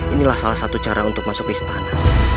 inilah salah satu cara untuk masuk ke istana